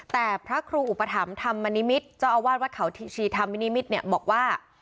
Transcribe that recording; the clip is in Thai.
แต่พระครูอุปถัมภ์ธรรมนิมิตรเจ้าอาวาสวัดเขาชีธรรมมินิมิตรเนี่ยบอกว่า